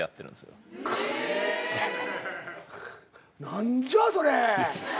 何じゃそれ。